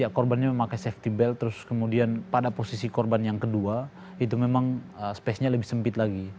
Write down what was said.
ya korbannya memakai safety belt terus kemudian pada posisi korban yang kedua itu memang space nya lebih sempit lagi